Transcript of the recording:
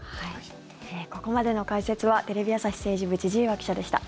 ここまでの解説はテレビ朝日政治部千々岩記者でした。